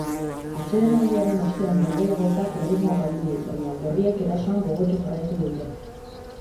Atsedenaldiaren ostean norgehiakokak erritmoa galdu du, baina gorriek erasoan gogotsu jarraitu dute.